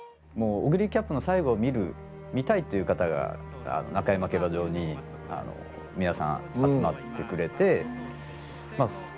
もうオグリキャップの最後を見る見たいっていう方が中山競馬場に皆さん集まってくれてまあ